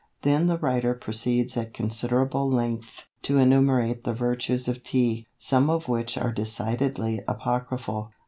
Then the writer proceeds at considerable length to enumerate the "Vertues" of Tea, some of which are decidedly apocryphal.